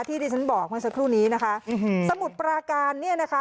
ที่ที่ฉันบอกเมื่อสักครู่นี้นะคะสมุทรปราการเนี่ยนะคะ